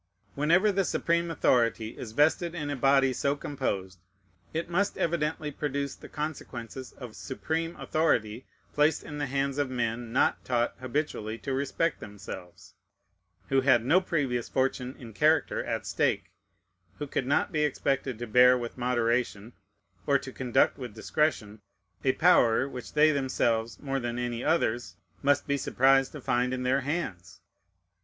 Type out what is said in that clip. Whenever the supreme authority is vested in a body so composed, it must evidently produce the consequences of supreme authority placed in the hands of men not taught habitually to respect themselves, who had no previous fortune in character at stake, who could not be expected to bear with moderation or to conduct with discretion a power which they themselves, more than any others, must be surprised to find in their hands.